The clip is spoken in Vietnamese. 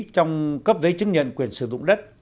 trong cấp giấy chứng nhận quyền sử dụng đất